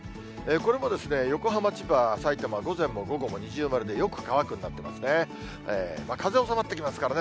これも横浜、千葉、さいたま、午前も午後も二重丸でよく乾くになってますね。